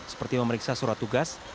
seperti memeriksa surat tugas